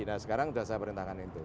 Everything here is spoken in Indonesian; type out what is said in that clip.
nah sekarang sudah saya perintahkan itu